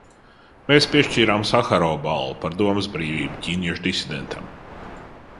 Mēs piešķīrām Saharova balvu par domas brīvību ķīniešu disidentam.